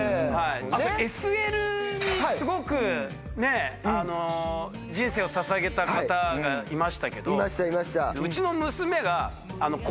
あとＳＬにすごくね人生を捧げた方がいましたけど。